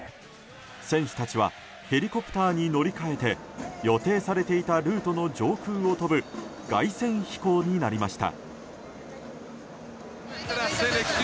選手たちはヘリコプターに乗り換えて予定されていたルートの上空を飛ぶ凱旋飛行になりました。